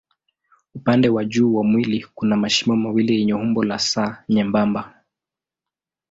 Upande wa juu wa mwili kuna mashimo mawili yenye umbo la S nyembamba.